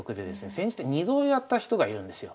千日手２度やった人がいるんですよ。